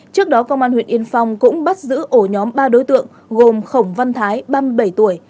trước đó công an huyện yên phong cũng bắt giữ ổ nhóm ba đối tượng gồm khổng văn thái ba mươi bảy tuổi